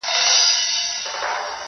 حُسن پرست یم د ښکلا تصویر ساتم په زړه کي,